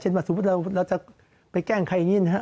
ว่าสมมุติเราจะไปแกล้งใครอย่างนี้นะฮะ